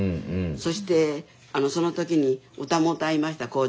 そしてその時に歌も歌いました。